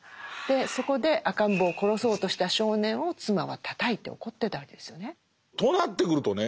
そこで赤ん坊を殺そうとした少年を妻はたたいて怒ってたわけですよね。となってくるとね